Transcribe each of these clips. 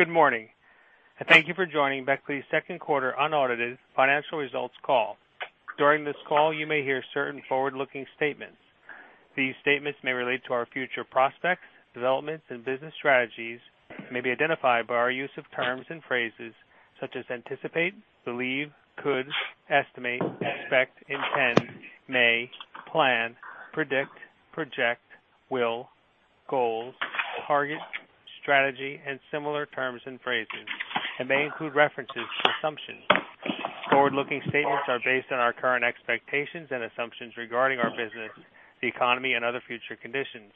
Good morning. Thank you for joining Becle's second quarter unaudited financial results call. During this call, you may hear certain forward-looking statements. These statements may relate to our future prospects, developments, and business strategies, may be identified by our use of terms and phrases such as anticipate, believe, could, estimate, expect, intend, may, plan, predict, project, will, goals, target, strategy, and similar terms and phrases, and may include references to assumptions. Forward-looking statements are based on our current expectations and assumptions regarding our business, the economy, and other future conditions.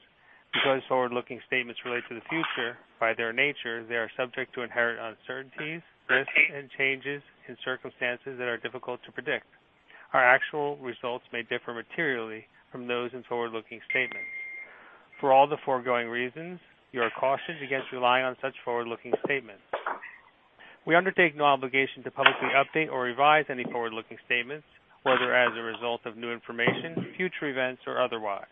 Because forward-looking statements relate to the future by their nature, they are subject to inherent uncertainties, risks, and changes in circumstances that are difficult to predict. Our actual results may differ materially from those in forward-looking statements. For all the foregoing reasons, you are cautioned against relying on such forward-looking statements. We undertake no obligation to publicly update or revise any forward-looking statements, whether as a result of new information, future events, or otherwise.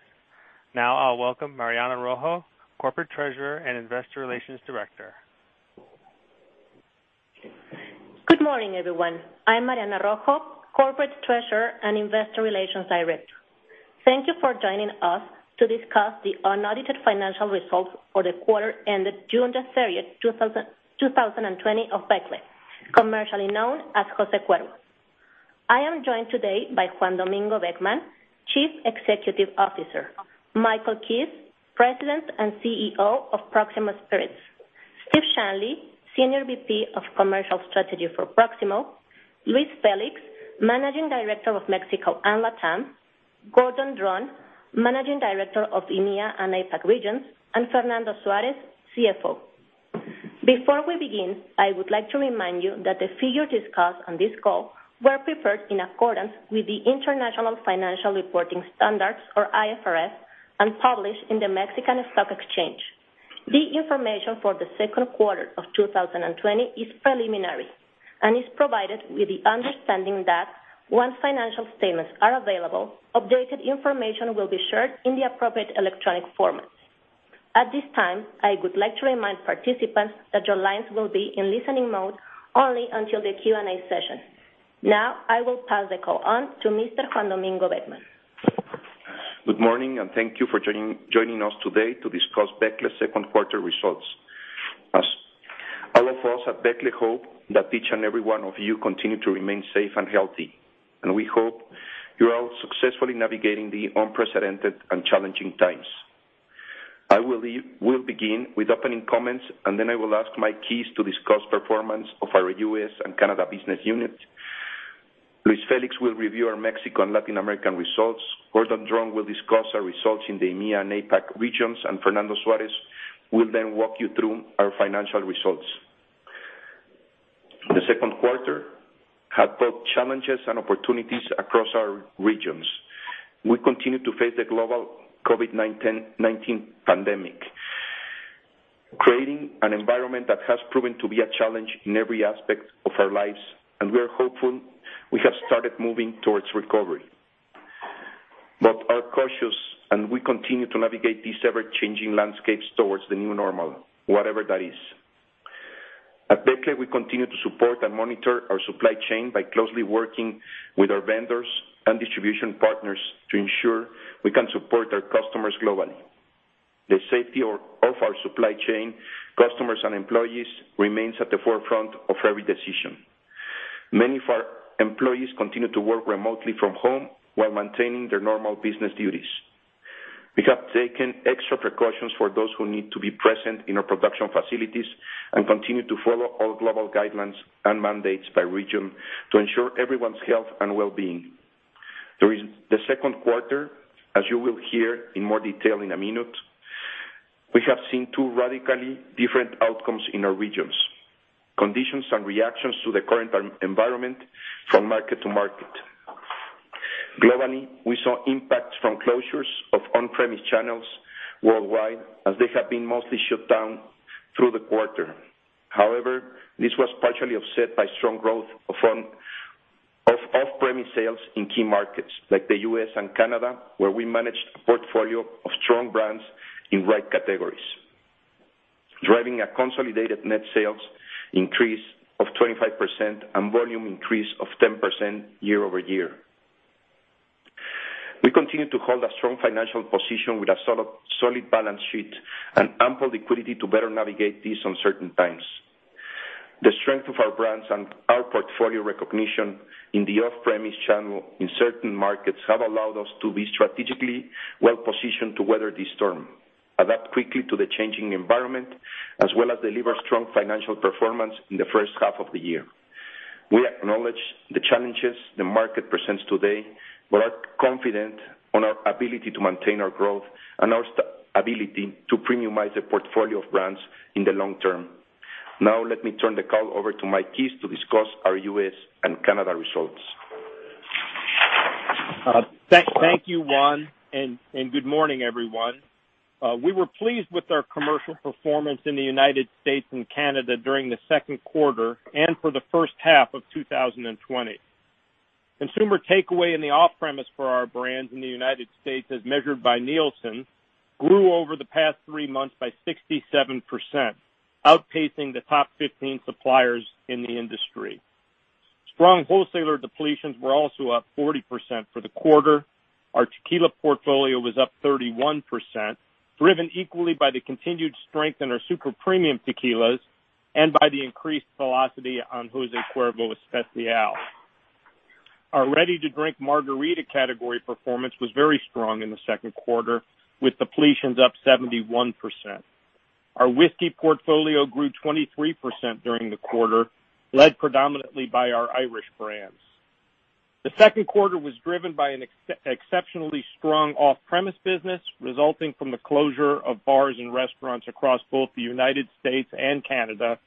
Now, I'll welcome Mariana Rojo, Corporate Treasurer and Investor Relations Director. Good morning, everyone. I'm Mariana Rojo, Corporate Treasurer and Investor Relations Director. Thank you for joining us to discuss the unaudited financial results for the quarter ended June 30, 2020, of Becle, commercially known as José Cuervo. I am joined today by Juan Domingo Beckmann, Chief Executive Officer, Michael Keyes, President and CEO of Proximo Spirits, Steve Shanley, Senior VP of Commercial Strategy for Proximo, Luis Félix, Managing Director of Mexico and LATAM, Gordon Dron, Managing Director of EMEA and APAC Regions, and Fernando Suárez, CFO. Before we begin, I would like to remind you that the figures discussed on this call were prepared in accordance with the International Financial Reporting Standards, or IFRS, and published in the Mexican Stock Exchange. The information for the second quarter of 2020 is preliminary and is provided with the understanding that once financial statements are available, updated information will be shared in the appropriate electronic formats. At this time, I would like to remind participants that your lines will be in listening mode only until the Q&A session. Now, I will pass the call on to Mr. Juan Domingo Beckmann. Good morning, and thank you for joining us today to discuss Becle's second quarter results. All of us at Becle hope that each and every one of you continue to remain safe and healthy, and we hope you're all successfully navigating the unprecedented and challenging times. I will begin with opening comments, and then I will ask Mike Keyes to discuss the performance of our U.S. and Canada business unit. Luis Félix will review our Mexico and Latin American results. Gordon Dron will discuss our results in the EMEA and APAC regions, and Fernando Suárez will then walk you through our financial results. The second quarter had both challenges and opportunities across our regions. We continue to face the global COVID-19 pandemic, creating an environment that has proven to be a challenge in every aspect of our lives, and we are hopeful we have started moving towards recovery. We are cautious and we continue to navigate these ever-changing landscapes towards the new normal, whatever that is. At Becle, we continue to support and monitor our supply chain by closely working with our vendors and distribution partners to ensure we can support our customers globally. The safety of our supply chain, customers, and employees remains at the forefront of every decision. Many of our employees continue to work remotely from home while maintaining their normal business duties. We have taken extra precautions for those who need to be present in our production facilities and continue to follow all global guidelines and mandates by region to ensure everyone's health and well-being. During the second quarter, as you will hear in more detail in a minute, we have seen two radically different outcomes in our regions: conditions and reactions to the current environment from market to market. Globally, we saw impacts from closures of on-premise channels worldwide as they have been mostly shut down through the quarter. However, this was partially offset by strong growth of on-premise sales in key markets like the U.S. and Canada, where we managed a portfolio of strong brands in right categories, driving a consolidated net sales increase of 25% and volume increase of 10% year-over-year. We continue to hold a strong financial position with a solid balance sheet and ample liquidity to better navigate these uncertain times. The strength of our brands and our portfolio recognition in the off-premise channel in certain markets have allowed us to be strategically well-positioned to weather this storm, adapt quickly to the changing environment, as well as deliver strong financial performance in the first half of the year. We acknowledge the challenges the market presents today but are confident in our ability to maintain our growth and our ability to premiumize the portfolio of brands in the long term. Now, let me turn the call over to Mike Keyes to discuss our U.S. and Canada results. Thank you, Juan, and good morning, everyone. We were pleased with our commercial performance in the United States and Canada during the second quarter and for the first half of 2020. Consumer takeaway in the off-premise for our brands in the United States, as measured by Nielsen, grew over the past three months by 67%, outpacing the top 15 suppliers in the industry. Strong wholesaler depletions were also up 40% for the quarter. Our tequila portfolio was up 31%, driven equally by the continued strength in our super premium tequilas and by the increased velocity on José Cuervo Especial. Our ready-to-drink margarita category performance was very strong in the second quarter, with depletions up 71%. Our whiskey portfolio grew 23% during the quarter, led predominantly by our Irish brands. The second quarter was driven by an exceptionally strong off-premise business resulting from the closure of bars and restaurants across both the United States and Canada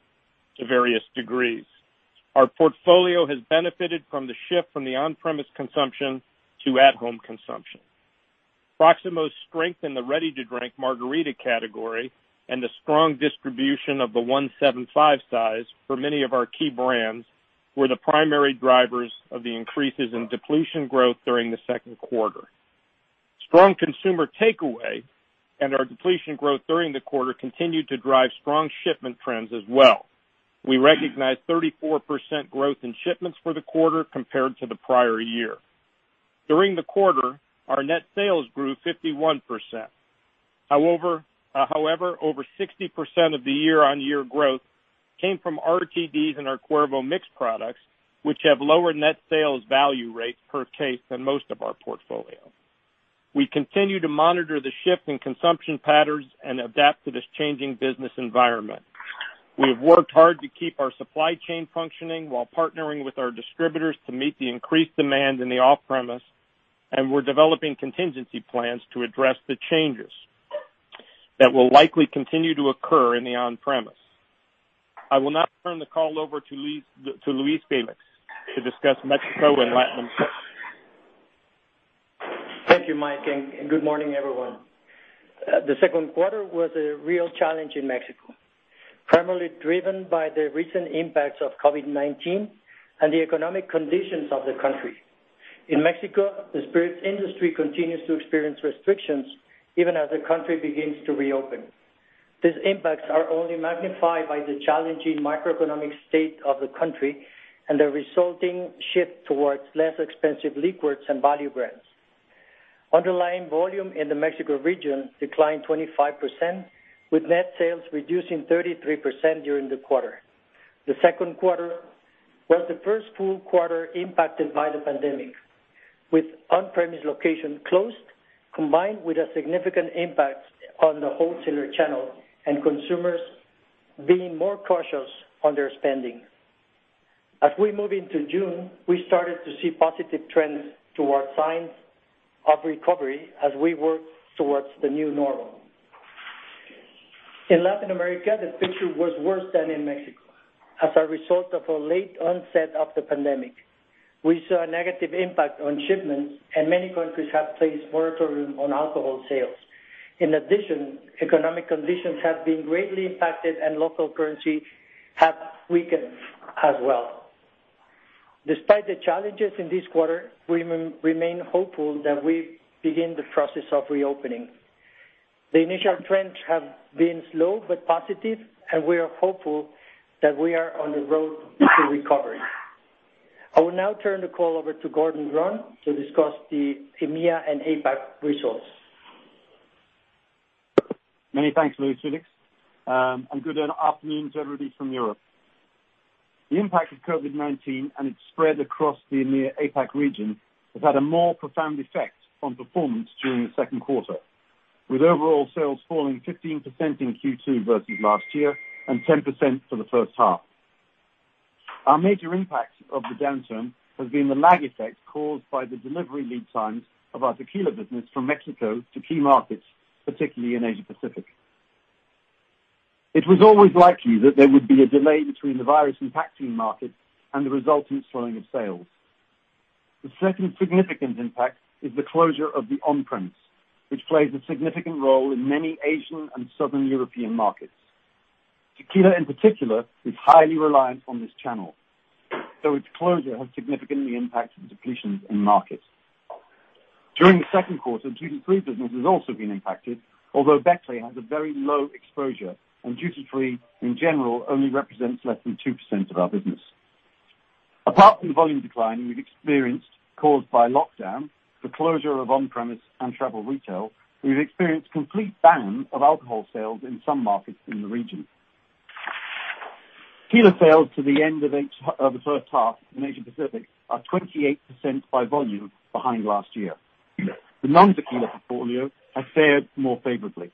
to various degrees. Our portfolio has benefited from the shift from the on-premise consumption to at-home consumption. Proximo's strength in the ready-to-drink margarita category and the strong distribution of the 1.75 size for many of our key brands were the primary drivers of the increases in depletion growth during the second quarter. Strong consumer takeaway and our depletion growth during the quarter continued to drive strong shipment trends as well. We recognize 34% growth in shipments for the quarter compared to the prior year. During the quarter, our net sales grew 51%. However, over 60% of the year-on-year growth came from RTDs in our Cuervo mixed products, which have lower net sales value rates per case than most of our portfolio. We continue to monitor the shift in consumption patterns and adapt to this changing business environment. We have worked hard to keep our supply chain functioning while partnering with our distributors to meet the increased demand in the off-premise, and we're developing contingency plans to address the changes that will likely continue to occur in the on-premise. I will now turn the call over to Luis Félix to discuss Mexico and Latin America. Thank you, Mike, and good morning, everyone. The second quarter was a real challenge in Mexico, primarily driven by the recent impacts of COVID-19 and the economic conditions of the country. In Mexico, the spirits industry continues to experience restrictions even as the country begins to reopen. These impacts are only magnified by the challenging macroeconomic state of the country and the resulting shift towards less expensive liquors and value brands. Underlying volume in the Mexico region declined 25%, with net sales reducing 33% during the quarter. The second quarter was the first full quarter impacted by the pandemic, with on-premise locations closed, combined with a significant impact on the wholesaler channel and consumers being more cautious on their spending. As we move into June, we started to see positive trends towards signs of recovery as we work towards the new normal. In Latin America, the picture was worse than in Mexico. As a result of a late onset of the pandemic, we saw a negative impact on shipments, and many countries have placed moratoriums on alcohol sales. In addition, economic conditions have been greatly impacted, and local currency has weakened as well. Despite the challenges in this quarter, we remain hopeful that we begin the process of reopening. The initial trends have been slow but positive, and we are hopeful that we are on the road to recovery. I will now turn the call over to Gordon Dron to discuss the EMEA and APAC results. Many thanks, Luis Félix, and good afternoon to everybody from Europe. The impact of COVID-19 and its spread across the EMEA/APAC region has had a more profound effect on performance during the second quarter, with overall sales falling 15% in Q2 versus last year and 10% for the first half. Our major impact of the downturn has been the lag effect caused by the delivery lead times of our tequila business from Mexico to key markets, particularly in Asia-Pacific. It was always likely that there would be a delay between the virus impacting markets and the resultant slowing of sales. The second significant impact is the closure of the on-premise, which plays a significant role in many Asian and Southern European markets. Tequila, in particular, is highly reliant on this channel, so its closure has significantly impacted depletions in markets. During the second quarter, duty-free business has also been impacted, although Becle has a very low exposure, and duty-free in general only represents less than 2% of our business. Apart from the volume decline we've experienced caused by lockdown, the closure of on-premise and travel retail, we've experienced a complete ban of alcohol sales in some markets in the region. Tequila sales to the end of the first half in Asia-Pacific are 28% by volume behind last year. The non-tequila portfolio has fared more favorably.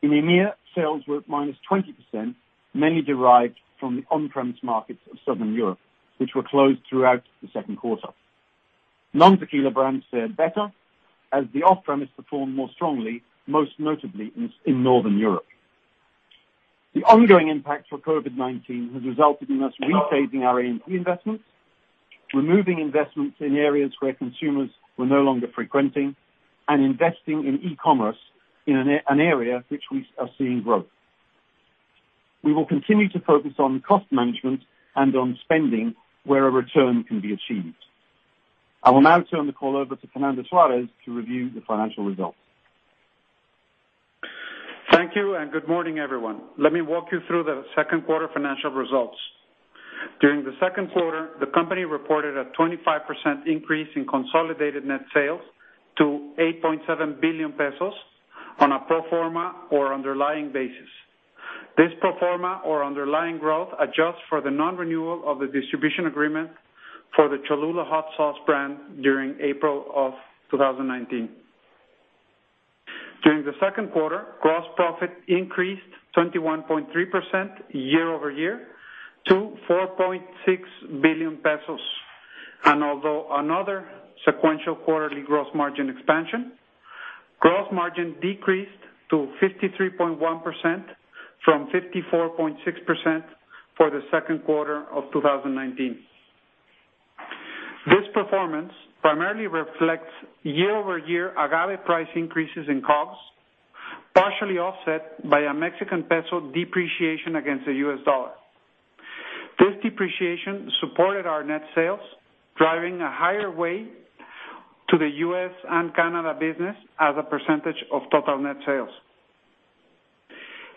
In EMEA, sales were minus 20%, mainly derived from the on-premise markets of Southern Europe, which were closed throughout the second quarter. Non-tequila brands fared better as the off-premise performed more strongly, most notably in Northern Europe. The ongoing impact of COVID-19 has resulted in us rephasing our A&P investments, removing investments in areas where consumers were no longer frequenting, and investing in e-commerce in an area which we are seeing growth. We will continue to focus on cost management and on spending where a return can be achieved. I will now turn the call over to Fernando Suárez to review the financial results. Thank you, and good morning, everyone. Let me walk you through the second quarter financial results. During the second quarter, the company reported a 25% increase in consolidated net sales to 8.7 billion pesos on a pro forma or underlying basis. This pro forma or underlying growth adjusts for the non-renewal of the distribution agreement for the Cholula hot sauce brand during April of 2019. During the second quarter, gross profit increased 21.3% year-over-year to 4.6 billion pesos, and although another sequential quarterly gross margin expansion, gross margin decreased to 53.1% from 54.6% for the second quarter of 2019. This performance primarily reflects year-over-year agave price increases in COGS, partially offset by a Mexican peso depreciation against the U.S. dollar. This depreciation supported our net sales, driving a higher weight to the U.S. and Canada business as a percentage of total net sales.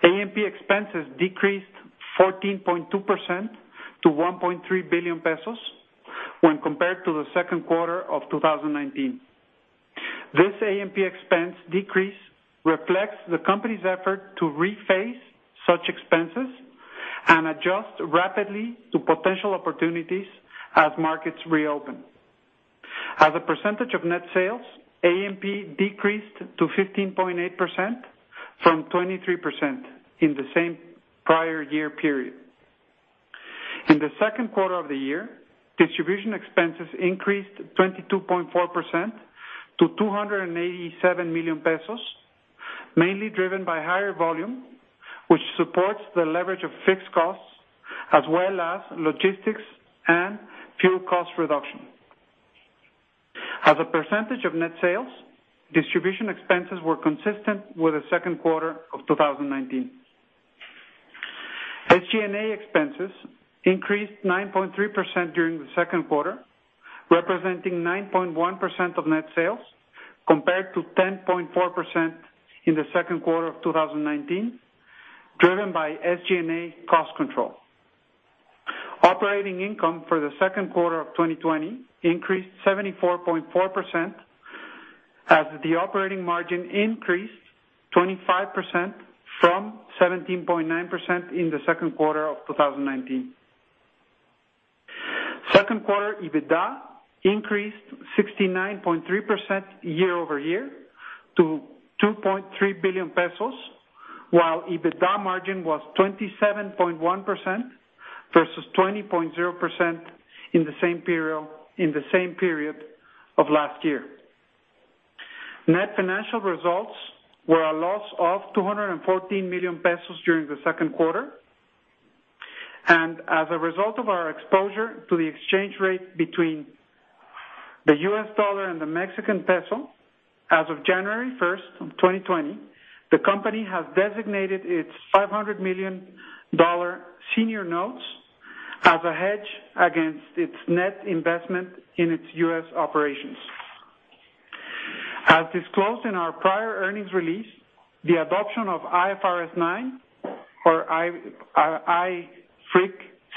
A&P expenses decreased 14.2% to 1.3 billion pesos when compared to the second quarter of 2019. This A&P expense decrease reflects the company's effort to rebase such expenses and adjust rapidly to potential opportunities as markets reopen. As a percentage of net sales, A&P decreased to 15.8% from 23% in the same prior year period. In the second quarter of the year, distribution expenses increased 22.4% to 287 million pesos, mainly driven by higher volume, which supports the leverage of fixed costs as well as logistics and fuel cost reduction. As a percentage of net sales, distribution expenses were consistent with the second quarter of 2019. SG&A expenses increased 9.3% during the second quarter, representing 9.1% of net sales compared to 10.4% in the second quarter of 2019, driven by SG&A cost control. Operating income for the second quarter of 2020 increased 74.4% as the operating margin increased 25% from 17.9% in the second quarter of 2019. Second quarter EBITDA increased 69.3% year-over-year to 2.3 billion pesos, while EBITDA margin was 27.1% versus 20.0% in the same period of last year. Net financial results were a loss of 214 million pesos during the second quarter, and as a result of our exposure to the exchange rate between the U.S. dollar and the Mexican peso, as of January 1st of 2020, the company has designated its $500 million senior notes as a hedge against its net investment in its U.S. operations. As disclosed in our prior earnings release, the adoption of IFRS 9 or IFRIC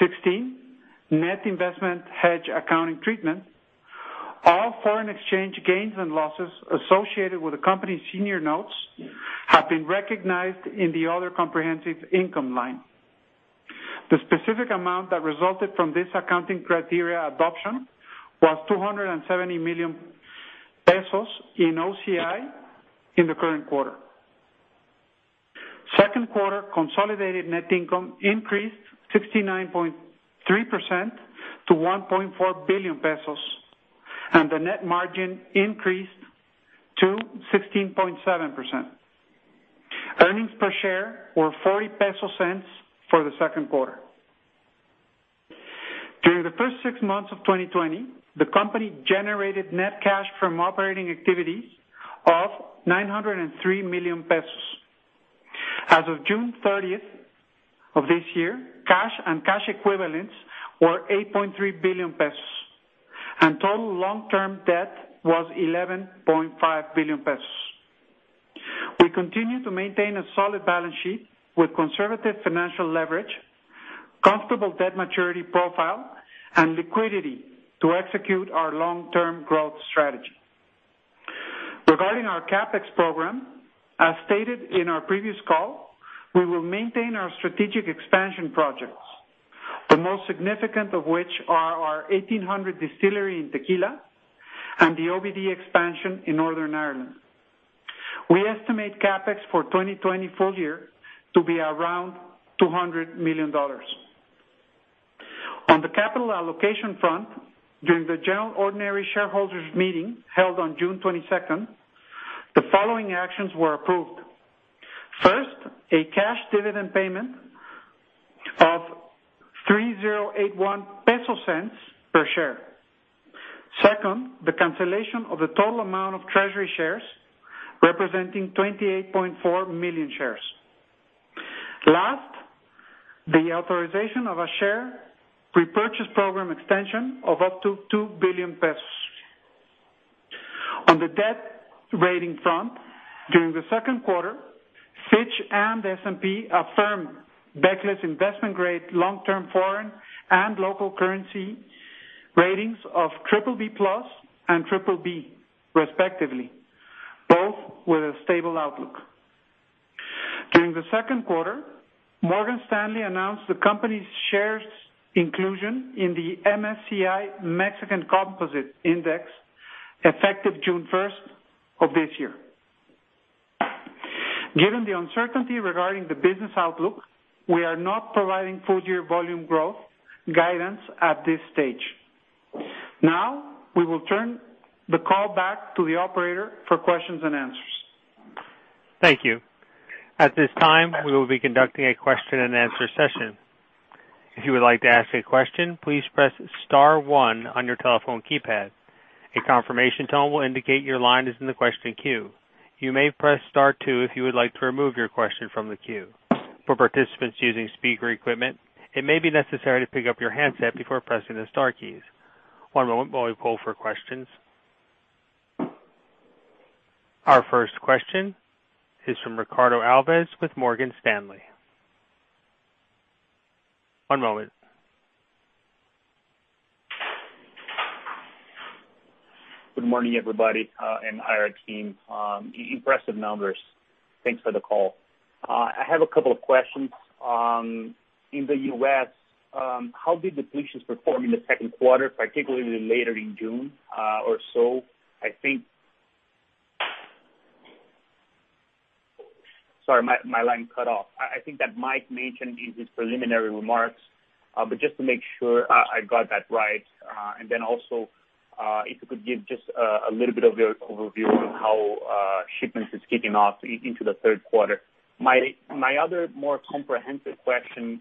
16, Net Investment Hedge Accounting Treatment, all foreign exchange gains and losses associated with the company's senior notes have been recognized in the other comprehensive income line. The specific amount that resulted from this accounting criteria adoption was 270 million pesos in OCI in the current quarter. Second quarter consolidated net income increased 69.3% to 1.4 billion pesos, and the net margin increased to 16.7%. Earnings per share were 0.40 for the second quarter. During the first six months of 2020, the company generated net cash from operating activities of 903 million pesos. As of June 30th of this year, cash and cash equivalents were 8.3 billion pesos, and total long-term debt was 11.5 billion pesos. We continue to maintain a solid balance sheet with conservative financial leverage, comfortable debt maturity profile, and liquidity to execute our long-term growth strategy. Regarding our CapEx program, as stated in our previous call, we will maintain our strategic expansion projects, the most significant of which are our 1800 Distillery in Tequila and the OBD expansion in Northern Ireland. We estimate CapEx for 2020 full year to be around $200 million. On the capital allocation front, during the General Ordinary Shareholders' Meeting held on June 22nd, the following actions were approved. First, a cash dividend payment of 30.81 peso per share. Second, the cancellation of the total amount of treasury shares representing 28.4 million shares. Last, the authorization of a share repurchase program extension of up to 2 billion pesos. On the debt rating front, during the second quarter, Fitch and S&P affirmed Becle's investment-grade long-term foreign and local currency ratings of BBB plus and BBB, respectively, both with a stable outlook. During the second quarter, Morgan Stanley announced the company's shares' inclusion in the MSCI Mexican Composite Index effective June 1st of this year. Given the uncertainty regarding the business outlook, we are not providing full-year volume growth guidance at this stage. Now, we will turn the call back to the operator for questions and answers. Thank you. At this time, we will be conducting a question-and-answer session. If you would like to ask a question, please press star one on your telephone keypad. A confirmation tone will indicate your line is in the question queue. You may press star two if you would like to remove your question from the queue. For participants using speaker equipment, it may be necessary to pick up your handset before pressing the star keys. One moment while we pull for questions. Our first question is from Ricardo Alves with Morgan Stanley. One moment. Good morning, everybody, and hi, IR team. Impressive numbers. Thanks for the call. I have a couple of questions. In the U.S., how did depletions perform in the second quarter, particularly later in June or so? Sorry, my line cut off. I think that Mike mentioned in his preliminary remarks, but just to make sure I got that right, and then also if you could give just a little bit of your overview on how shipments is kicking off into the third quarter. My other more comprehensive question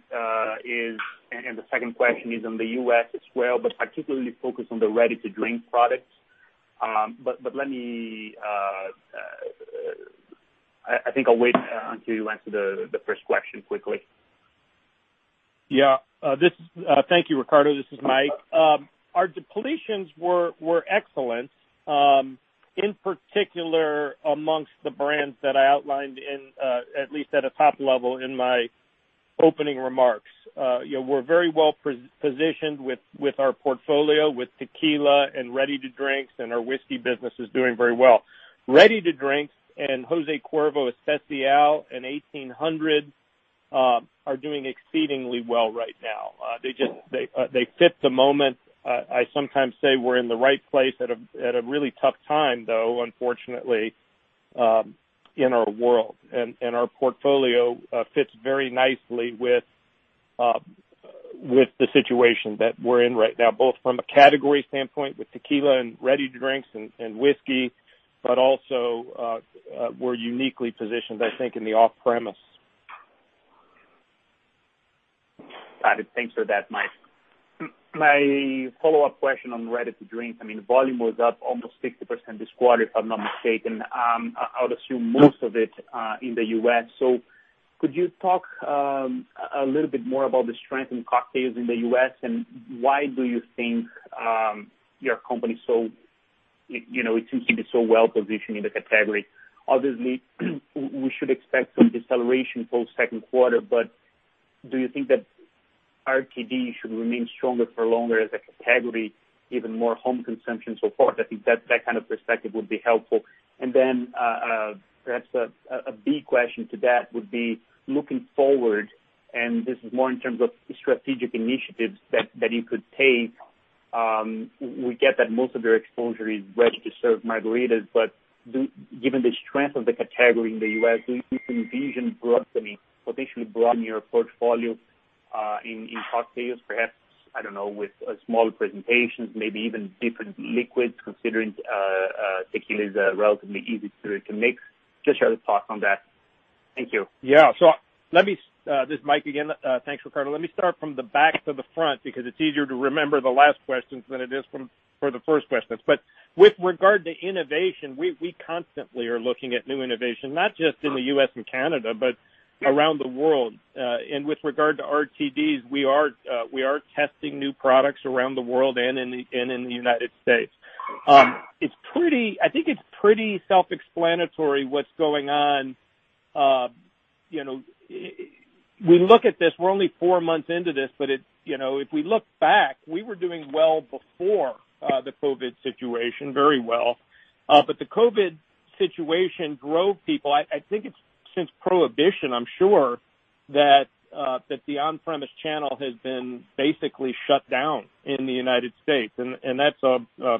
is, and the second question is on the U.S. as well, but particularly focused on the ready-to-drink products. But let me, I think I'll wait until you answer the first question quickly. Yeah. Thank you, Ricardo. This is Mike. Our depletions were excellent, in particular amongst the brands that I outlined at least at a top level in my opening remarks. We're very well positioned with our portfolio with tequila and ready-to-drinks, and our whiskey business is doing very well. Ready-to-drinks and José Cuervo Especial and 1800 are doing exceedingly well right now. They fit the moment. I sometimes say we're in the right place at a really tough time, though, unfortunately, in our world, and our portfolio fits very nicely with the situation that we're in right now, both from a category standpoint with tequila and ready-to-drinks and whiskey, but also we're uniquely positioned, I think, in the off-premise. Got it. Thanks for that, Mike. My follow-up question on ready-to-drinks, I mean, volume was up almost 50% this quarter, if I'm not mistaken. I would assume most of it in the U.S. So could you talk a little bit more about the strength in cocktails in the U.S., and why do you think your company seems to be so well positioned in the category? Obviously, we should expect some deceleration post-second quarter, but do you think that RTD should remain stronger for longer as a category, even more home consumption so far? I think that kind of perspective would be helpful. And then perhaps a big question to that would be looking forward, and this is more in terms of strategic initiatives that you could take. We get that most of your exposure is ready-to-serve margaritas, but given the strength of the category in the U.S., do you envision potentially broadening your portfolio in cocktails, perhaps, I don't know, with small presentations, maybe even different liquids, considering tequila is a relatively easy spirit to mix? Just share your thoughts on that. Thank you. Yeah. So let me - this is Mike again. Thanks, Ricardo. Let me start from the back to the front because it's easier to remember the last questions than it is for the first questions. But with regard to innovation, we constantly are looking at new innovation, not just in the U.S. and Canada, but around the world. And with regard to RTDs, we are testing new products around the world and in the United States. I think it's pretty self-explanatory what's going on. We look at this - we're only four months into this - but if we look back, we were doing well before the COVID situation, very well. But the COVID situation drove people. I think it's since Prohibition, I'm sure, that the on-premise channel has been basically shut down in the United States, and that's a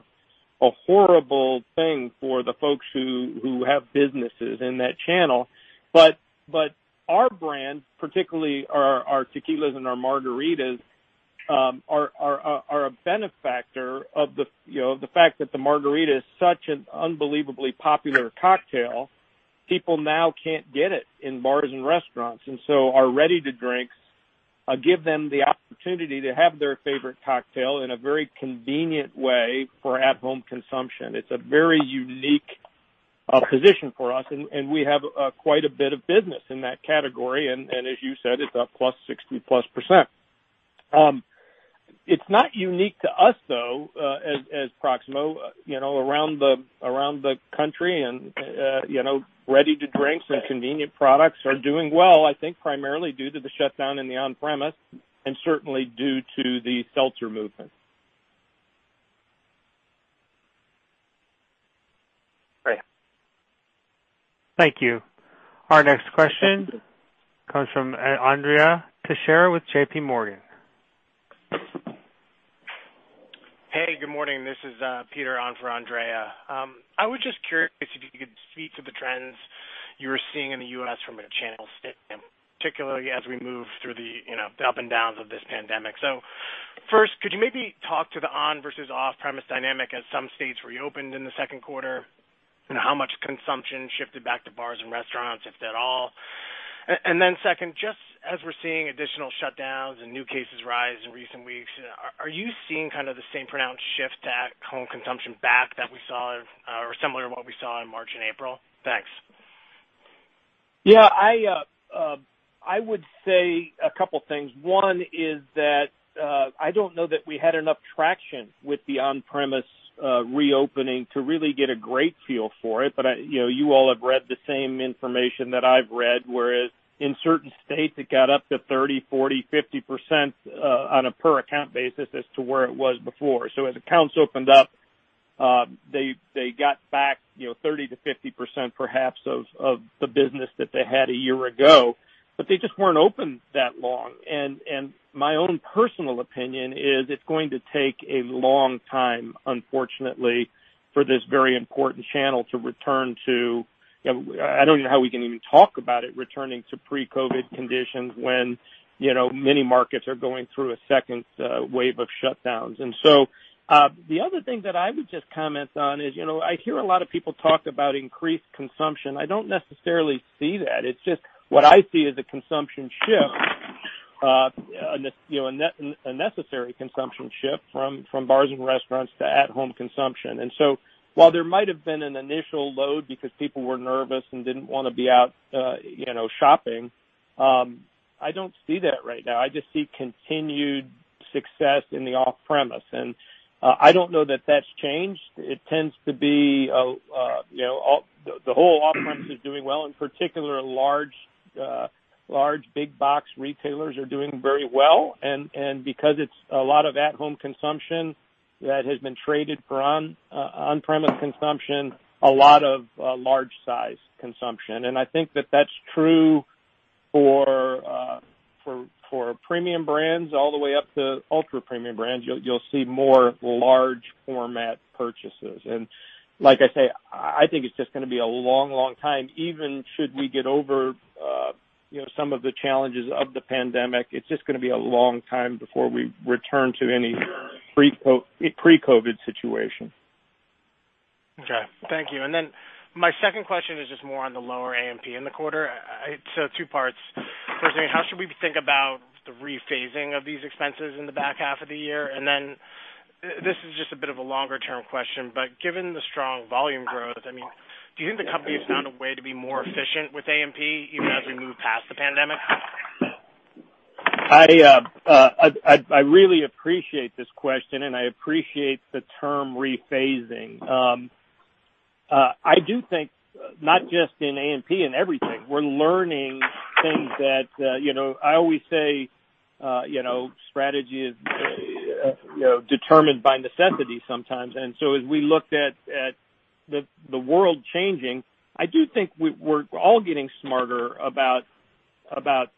horrible thing for the folks who have businesses in that channel. But our brand, particularly our tequilas and our margaritas, are a beneficiary of the fact that the margarita is such an unbelievably popular cocktail. People now can't get it in bars and restaurants, and so our ready-to-drinks give them the opportunity to have their favorite cocktail in a very convenient way for at-home consumption. It's a very unique position for us, and we have quite a bit of business in that category, and as you said, it's up plus 60-plus%. It's not unique to us, though, as Proximo. Around the country, ready-to-drinks and convenient products are doing well, I think, primarily due to the shutdown in the on-premise and certainly due to the seltzer movement. Great. Thank you. Our next question comes from Andrea Teixeira with JPMorgan. Hey, good morning. This is Peter on for Andrea. I was just curious if you could speak to the trends you were seeing in the U.S. from a channel standpoint, particularly as we move through the ups and downs of this pandemic. So first, could you maybe talk to the on-versus-off-premise dynamic as some states reopened in the second quarter? How much consumption shifted back to bars and restaurants, if at all? And then second, just as we're seeing additional shutdowns and new cases rise in recent weeks, are you seeing kind of the same pronounced shift to home consumption back that we saw or similar to what we saw in March and April? Thanks. Yeah. I would say a couple of things. One is that I don't know that we had enough traction with the on-premise reopening to really get a great feel for it, but you all have read the same information that I've read, whereas in certain states, it got up to 30%, 40%, 50% on a per-account basis as to where it was before. So as accounts opened up, they got back 30%-50%, perhaps, of the business that they had a year ago, but they just weren't open that long, and my own personal opinion is it's going to take a long time, unfortunately, for this very important channel to return to, I don't know how we can even talk about it, returning to pre-COVID conditions when many markets are going through a second wave of shutdowns. And so the other thing that I would just comment on is I hear a lot of people talk about increased consumption. I don't necessarily see that. It's just what I see as a consumption shift, a necessary consumption shift from bars and restaurants to at-home consumption. And so while there might have been an initial load because people were nervous and didn't want to be out shopping, I don't see that right now. I just see continued success in the off-premise, and I don't know that that's changed. It tends to be the whole off-premise is doing well. In particular, large big-box retailers are doing very well, and because it's a lot of at-home consumption that has been traded for on-premise consumption, a lot of large-size consumption. And I think that that's true for premium brands all the way up to ultra-premium brands. You'll see more large-format purchases. Like I say, I think it's just going to be a long, long time. Even should we get over some of the challenges of the pandemic, it's just going to be a long time before we return to any pre-COVID situation. Okay. Thank you. And then my second question is just more on the lower A&P in the quarter. So two parts. First, how should we think about the rephasing of these expenses in the back half of the year? And then this is just a bit of a longer-term question, but given the strong volume growth, I mean, do you think the company has found a way to be more efficient with A&P even as we move past the pandemic? I really appreciate this question, and I appreciate the term rephasing. I do think not just in A&P and everything. We're learning things that I always say strategy is determined by necessity sometimes, and so as we looked at the world changing, I do think we're all getting smarter about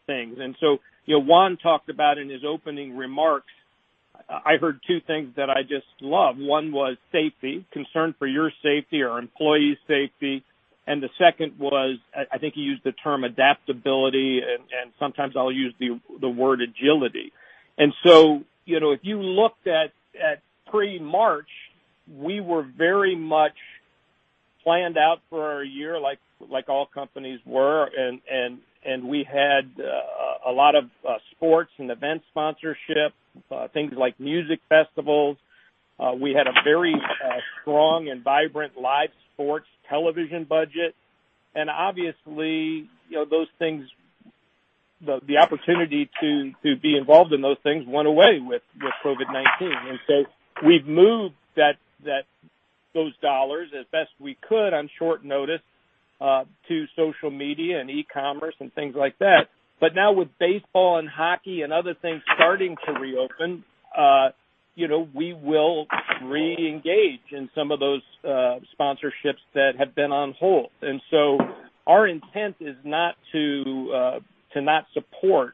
things, and so Juan talked about in his opening remarks. I heard two things that I just love. One was safety, concern for your safety, our employees' safety, and the second was, I think he used the term adaptability, and sometimes I'll use the word agility, and so if you looked at pre-March, we were very much planned out for our year like all companies were, and we had a lot of sports and event sponsorship, things like music festivals. We had a very strong and vibrant live sports television budget. And obviously, those things, the opportunity to be involved in those things went away with COVID-19. And so we've moved those dollars as best we could on short notice to social media and e-commerce and things like that. But now with baseball and hockey and other things starting to reopen, we will reengage in some of those sponsorships that have been on hold. And so our intent is not to not support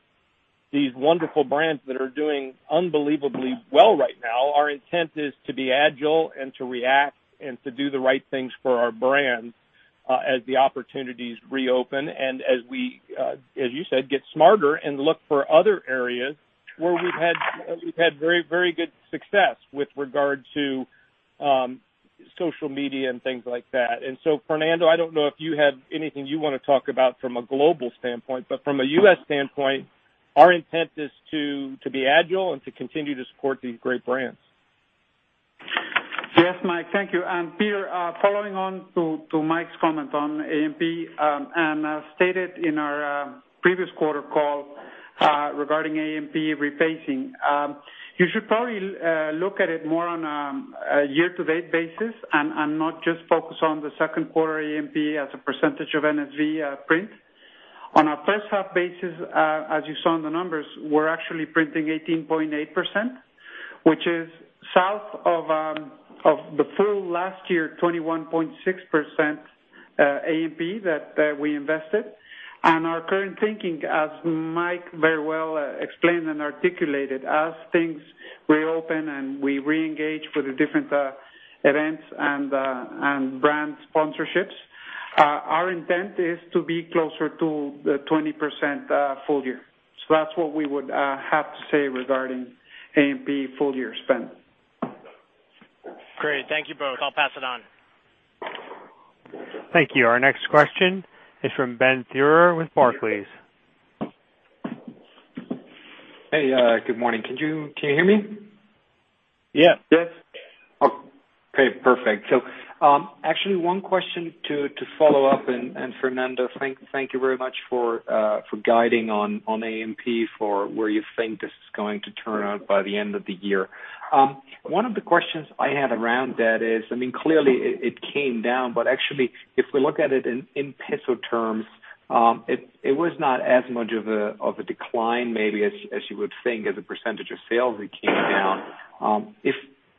these wonderful brands that are doing unbelievably well right now. Our intent is to be agile and to react and to do the right things for our brands as the opportunities reopen and as we, as you said, get smarter and look for other areas where we've had very good success with regard to social media and things like that. And so Fernando, I don't know if you have anything you want to talk about from a global standpoint, but from a U.S. standpoint, our intent is to be agile and to continue to support these great brands. Yes, Mike. Thank you. And Peter, following on to Mike's comment on A&P, and as stated in our previous quarter call regarding A&P rephasing, you should probably look at it more on a year-to-date basis and not just focus on the second quarter A&P as a percentage of NSV print. On a first-half basis, as you saw in the numbers, we're actually printing 18.8%, which is south of the full last year 21.6% A&P that we invested. And our current thinking, as Mike very well explained and articulated, as things reopen and we reengage with the different events and brand sponsorships, our intent is to be closer to the 20% full year. So that's what we would have to say regarding A&P full year spend. Great. Thank you both. I'll pass it on. Thank you. Our next question is from Ben Theurer with Barclays. Hey, good morning. Can you hear me? Yes. Yes. Okay. Perfect. So actually, one question to follow up, and Fernando, thank you very much for guiding on A&P for where you think this is going to turn out by the end of the year. One of the questions I had around that is, I mean, clearly it came down, but actually, if we look at it in peso terms, it was not as much of a decline maybe as you would think as a percentage of sales that came down.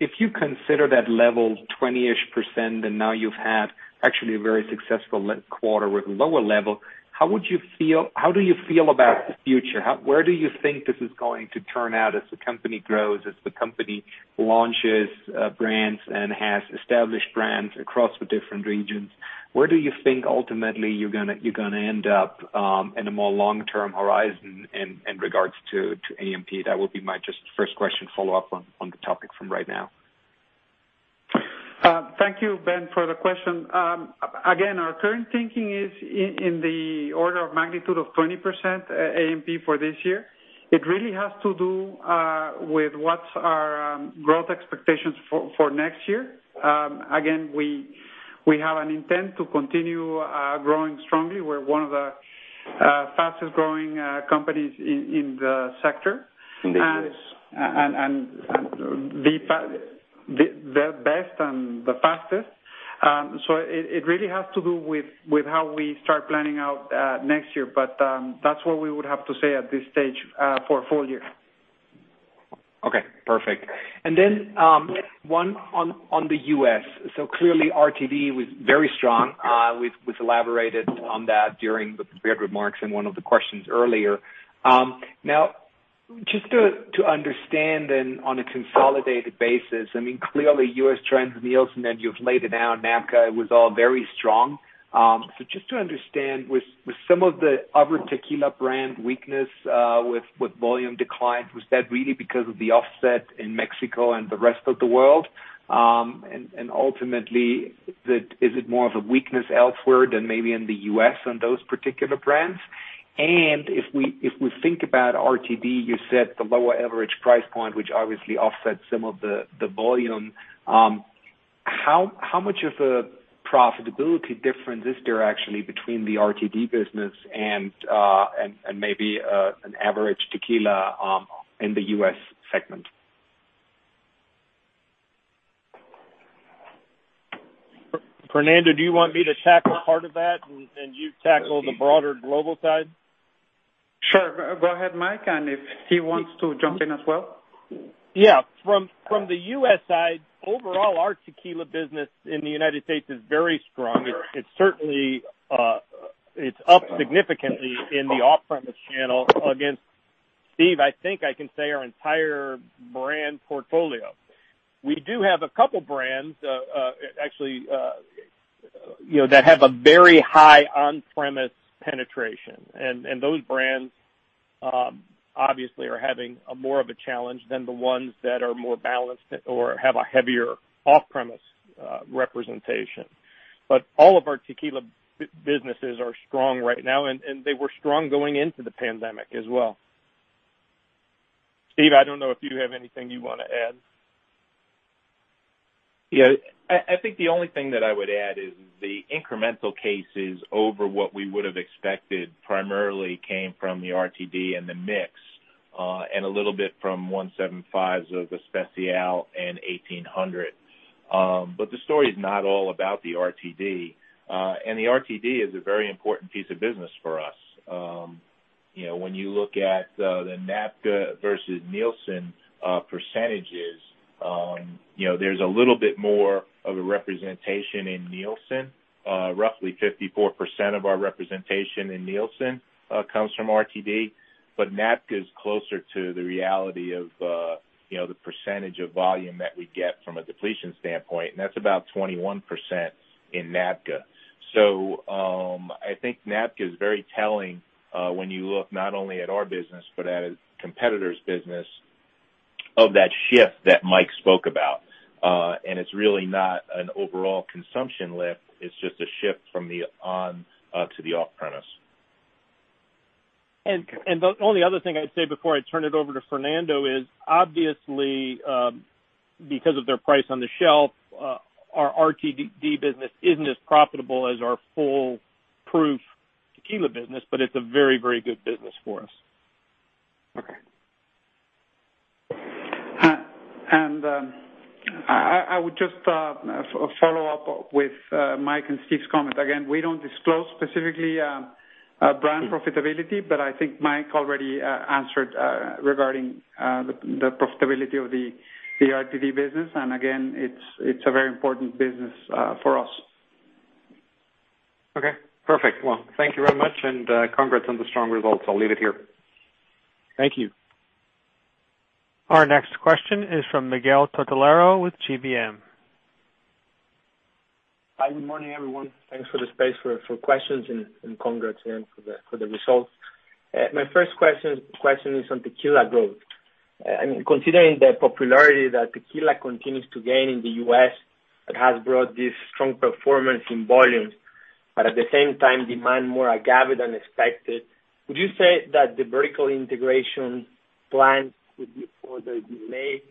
If you consider that level 20-ish%, and now you've had actually a very successful quarter with a lower level, how would you feel, how do you feel about the future? Where do you think this is going to turn out as the company grows, as the company launches brands and has established brands across the different regions? Where do you think ultimately you're going to end up in a more long-term horizon in regards to A&P? That would be my just first question follow-up on the topic from right now. Thank you, Ben, for the question. Again, our current thinking is in the order of magnitude of 20% A&P for this year. It really has to do with what's our growth expectations for next year. Again, we have an intent to continue growing strongly. We're one of the fastest-growing companies in the sector. In the industry. And the best and the fastest. So it really has to do with how we start planning out next year, but that's what we would have to say at this stage for full year. Okay. Perfect, and then one on the U.S. So clearly, RTD was very strong. We've elaborated on that during the prepared remarks and one of the questions earlier. Now, just to understand then on a consolidated basis, I mean, clearly, U.S. trends, Nielsen, that you've laid it out, NABCA, it was all very strong. So just to understand, was some of the other tequila brand weakness with volume declined, was that really because of the offset in Mexico and the rest of the world? And ultimately, is it more of a weakness elsewhere than maybe in the U.S. on those particular brands? And if we think about RTD, you said the lower average price point, which obviously offsets some of the volume. How much of a profitability difference is there actually between the RTD business and maybe an average tequila in the U.S. segment? Fernando, do you want me to tackle part of that and you tackle the broader global side? Sure. Go ahead, Mike, and if he wants to jump in as well. Yeah. From the U.S. side, overall, our tequila business in the United States is very strong. It's certainly up significantly in the off-premise channel against, Steve, I think I can say our entire brand portfolio. We do have a couple of brands, actually, that have a very high on-premise penetration, and those brands obviously are having more of a challenge than the ones that are more balanced or have a heavier off-premise representation. But all of our tequila businesses are strong right now, and they were strong going into the pandemic as well. Steve, I don't know if you have anything you want to add. Yeah. I think the only thing that I would add is the incremental cases over what we would have expected primarily came from the RTD and the mix and a little bit from 1.75s of the Special and 1800. But the story is not all about the RTD, and the RTD is a very important piece of business for us. When you look at the NABCA versus Nielsen percentages, there's a little bit more of a representation in Nielsen. Roughly 54% of our representation in Nielsen comes from RTD, but NABCA is closer to the reality of the percentage of volume that we get from a depletion standpoint, and that's about 21% in NABCA. So I think NABCA is very telling when you look not only at our business but at a competitor's business of that shift that Mike spoke about. And it's really not an overall consumption lift. It's just a shift from the on to the off-premise. The only other thing I'd say before I turn it over to Fernando is, obviously, because of their price on the shelf, our RTD business isn't as profitable as our full-proof tequila business, but it's a very, very good business for us. Okay. And I would just follow up with Mike and Steve's comment. Again, we don't disclose specifically brand profitability, but I think Mike already answered regarding the profitability of the RTD business. And again, it's a very important business for us. Okay. Perfect. Well, thank you very much, and congrats on the strong results. I'll leave it here. Thank you. Our next question is from Miguel Tortolero with GBM. Hi, good morning, everyone. Thanks for the space for questions and congrats again for the results. My first question is on tequila growth. I mean, considering the popularity that tequila continues to gain in the U.S., it has brought this strong performance in volumes, but at the same time, demanded more agave than expected. Would you say that the vertical integration planned was made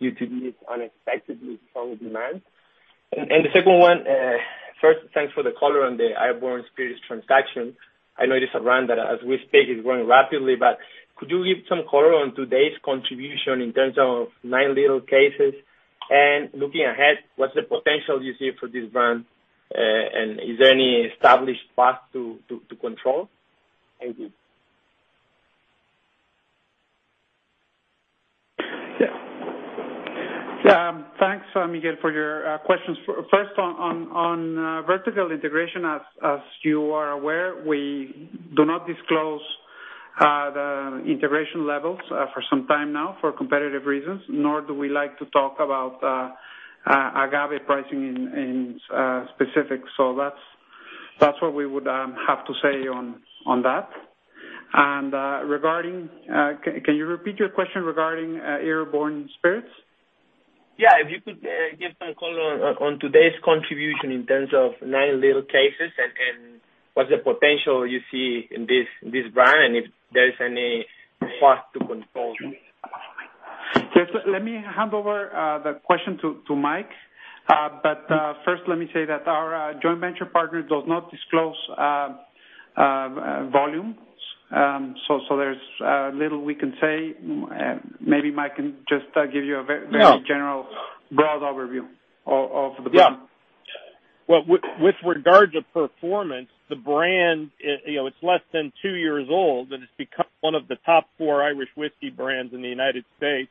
due to this unexpectedly strong demand? And the second one, first, thanks for the color on the Eire Born Spirits transaction. I know it is a brand that, as we speak, is growing rapidly, but could you give some color on its contribution in terms of 9-liter cases? And looking ahead, what's the potential you see for this brand, and is there any established path to control? Thank you. Thanks, Miguel, for your questions. First, on vertical integration, as you are aware, we do not disclose the integration levels for some time now for competitive reasons, nor do we like to talk about agave pricing in specific, so that's what we would have to say on that, and can you repeat your question regarding Eire Born Spirits? Yeah. If you could give some color on today's contribution in terms of 9-liter cases and what's the potential you see in this brand and if there's any path to control? Let me hand over the question to Mike. But first, let me say that our joint venture partner does not disclose volume. So there's little we can say. Maybe Mike can just give you a very general broad overview of the brand. Yeah. Well, with regard to performance, the brand, it's less than two years old, and it's become one of the top four Irish whiskey brands in the United States.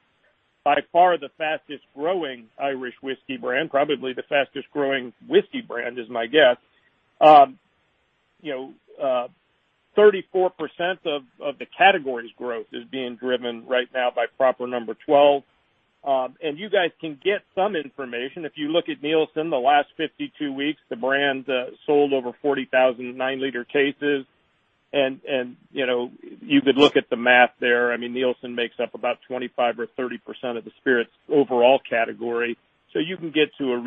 By far, the fastest-growing Irish whiskey brand, probably the fastest-growing whiskey brand is my guess. 34% of the category's growth is being driven right now by Proper No. Twelve. And you guys can get some information. If you look at Nielsen, the last 52 weeks, the brand sold over 40,000 nine-liter cases. And you could look at the math there. I mean, Nielsen makes up about 25% or 30% of the spirits overall category. So you can get to a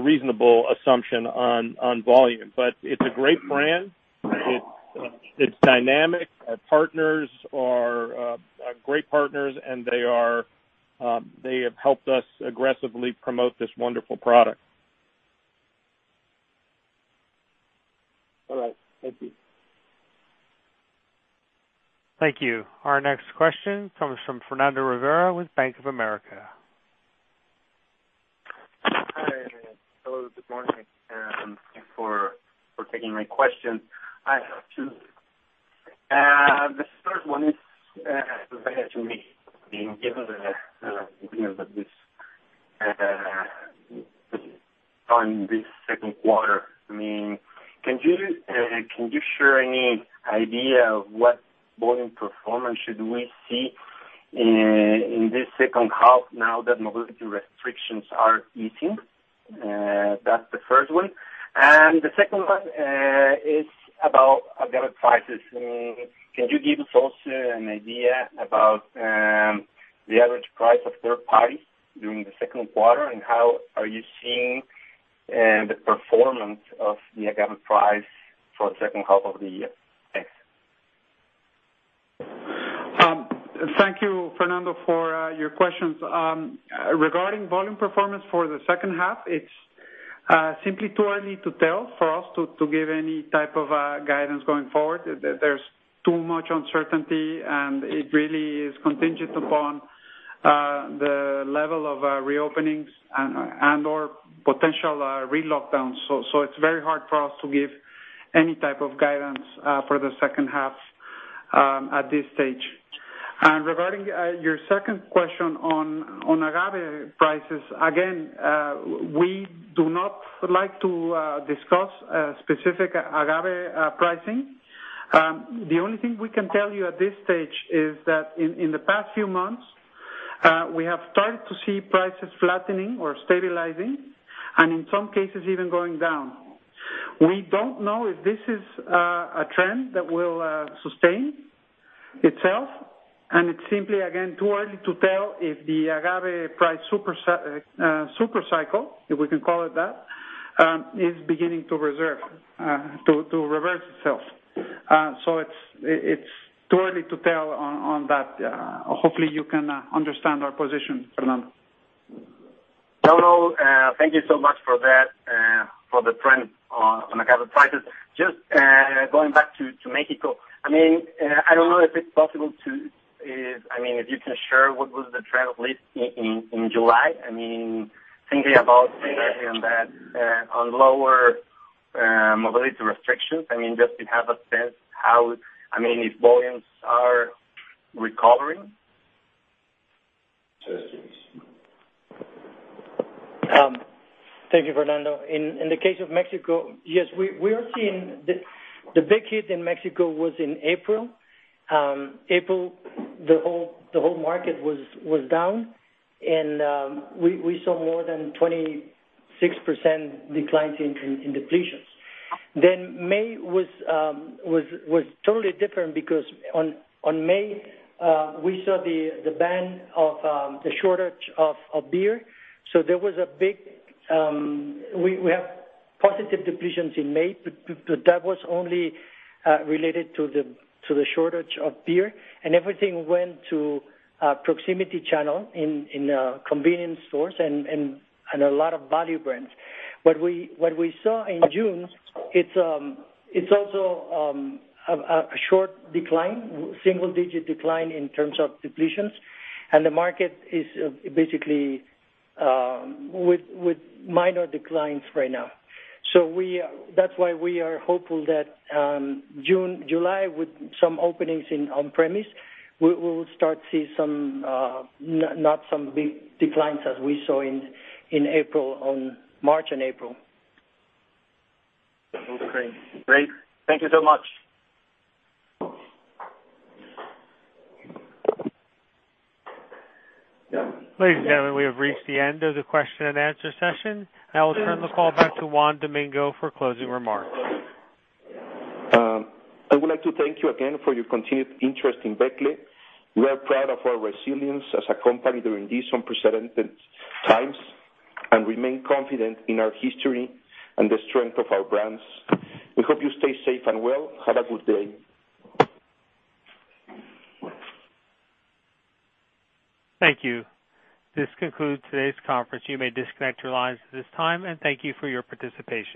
reasonable assumption on volume. But it's a great brand. It's dynamic. Our partners are great partners, and they have helped us aggressively promote this wonderful product. All right. Thank you. Thank you. Our next question comes from Fernando Ferreira with Bank of America. Hi, Fernando. Hello. Good morning. Thank you for taking my question. The first one is related to me. I mean, given that we've done this second quarter, I mean, can you share any idea of what volume performance should we see in this second half now that mobility restrictions are easing? That's the first one. And the second one is about agave prices. I mean, can you give us also an idea about the average price of third parties during the second quarter, and how are you seeing the performance of the agave price for the second half of the year? Thanks. Thank you, Fernando, for your questions. Regarding volume performance for the second half, it's simply too early to tell for us to give any type of guidance going forward. There's too much uncertainty, and it really is contingent upon the level of reopenings and/or potential relockdowns. So it's very hard for us to give any type of guidance for the second half at this stage. And regarding your second question on agave prices, again, we do not like to discuss specific agave pricing. The only thing we can tell you at this stage is that in the past few months, we have started to see prices flattening or stabilizing, and in some cases, even going down. We don't know if this is a trend that will sustain itself, and it's simply, again, too early to tell if the agave price supercycle, if we can call it that, is beginning to reverse itself. So it's too early to tell on that. Hopefully, you can understand our position, Fernando. Hello. Thank you so much for that, for the trend on agave prices. Just going back to Mexico, I mean, I don't know if it's possible to - I mean, if you can share what was the trend at least in July. I mean, thinking about agave on that, on lower mobility restrictions, I mean, just to have a sense how - I mean, if volumes are recovering? Thank you, Fernando. In the case of Mexico, yes, we are seeing the big hit in Mexico was in April. April, the whole market was down, and we saw more than 26% decline in depletions. Then May was totally different because on May, we saw the ban of the shortage of beer. So there was a big, we have positive depletions in May, but that was only related to the shortage of beer. And everything went to proximity channel in convenience stores and a lot of value brands. What we saw in June, it's also a short decline, single-digit decline in terms of depletions, and the market is basically with minor declines right now. So that's why we are hopeful that July, with some openings on-premise, we will start to see some, not some big declines as we saw in March and April. Okay. Great. Thank you so much. Ladies and gentlemen, we have reached the end of the question and answer session. I will turn the call back to Juan Domingo for closing remarks. I would like to thank you again for your continued interest in Becle. We are proud of our resilience as a company during these unprecedented times and remain confident in our history and the strength of our brands. We hope you stay safe and well. Have a good day. Thank you. This concludes today's conference. You may disconnect your lines at this time, and thank you for your participation.